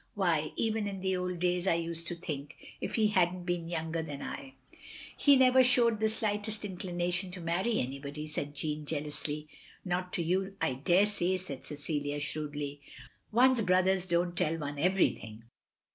Why, even in the old days I used to think — ^if he had n't been younger than I —" "He never showed the slightest inclination to marry anybody, " said Jeanne, jealously. " Not to you, I daresay, " said Cecilia, shrewdly. "One's brothers don't tell one everything."